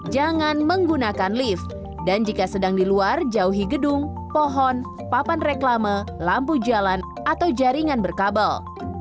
jangan menggunakan lift dan jika sedang di luar jauhi gedung pohon papan reklame lampu jalan atau jaringan berkabel